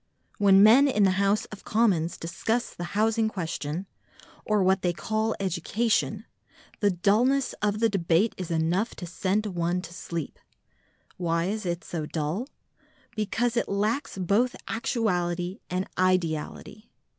When men in the House of Commons discuss the Housing Question, or what they call Education, the dulness of the debate is enough to send one to sleep. Why is it so dull? Because it lacks both actuality and ideality.